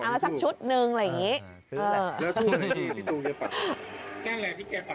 เอาสักชุดหนึ่งอะไรอย่างงี้อ่า